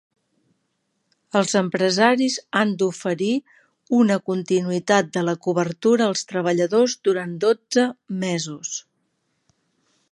Els empresaris han d'oferir una continuïtat de la cobertura als treballadors durant dotze mesos.